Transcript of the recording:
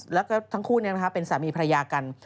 แล้วก็ทั้งคู่เป็นสามีภรรยากัน